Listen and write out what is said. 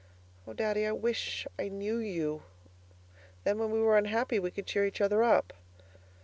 Oh, Daddy, I wish I knew you! Then when we were unhappy we could cheer each other up.